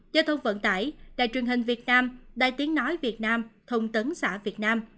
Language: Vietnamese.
giao thông vận tải đài truyền hình việt nam đài tiếng nói việt nam thông tấn xã việt nam